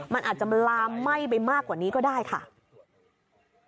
มันอาจจะลามไหม้ไปมากกว่านี้ก็ได้ค่ะ